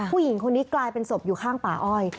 ผู้หญิงคนนี้กลายเป็นศพอยู่ข้างป่าอ้อย